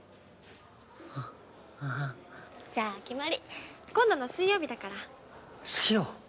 あっハハじゃあ決まり今度の水曜日だから水曜？